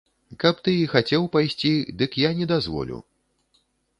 Каб ты і хацеў пайсці, дык я не дазволю.